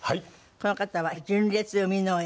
この方は純烈生みの親。